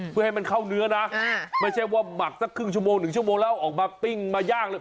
เพื่อให้มันเข้าเนื้อนะไม่ใช่ว่าหมักสักครึ่งชั่วโมงหนึ่งชั่วโมงแล้วออกมาปิ้งมาย่างเลย